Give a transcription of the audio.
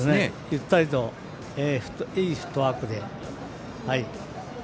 ゆったりといいフットワークで。